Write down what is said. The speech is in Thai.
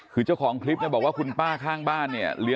คือเจ้าของฮลิปว่าคุณป้าข้างบ้านเนี่ย